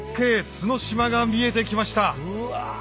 角島が見えてきましたうわ！